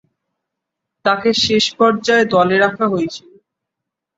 তাকে শেষ পর্যায়ে দলে রাখা হয়েছিল।